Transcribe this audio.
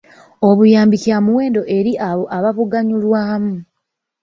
Obuyambi kya muwendo eri abo ababuganyulwamu.